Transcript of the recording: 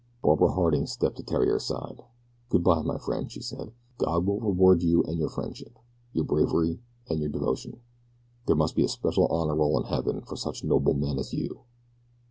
Barbara Harding stepped to Theriere's side. "Good bye, my friend," she said. "God will reward you for your friendship, your bravery, and your devotion. There must be a special honor roll in heaven for such noble men as you."